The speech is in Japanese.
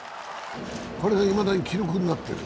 これがいまだに記録になっている。